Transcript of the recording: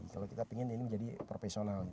kalau kita ingin ini menjadi profesional